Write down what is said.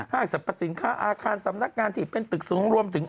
สรรพสินค้าอาคารสำนักงานที่เป็นตึกสูงรวมถึง